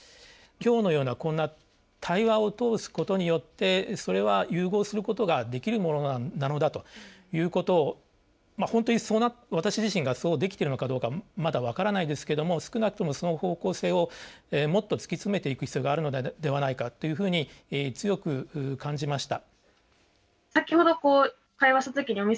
今日のようなこんな対話を通すことによってそれは融合することができるものなのだということを本当に私自身がそうできているのかどうかまだ分からないですけども少なくともその方向性をもっと突き詰めていく必要があるのではないかというふうに強く感じました。